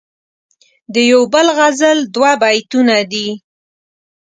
دیو بل غزل دوه بیتونه دي..